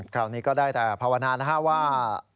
คราวนี้ก็ได้แต่ภาวนานะฮะว่า